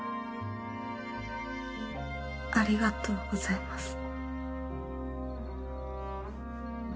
ありがとうございます。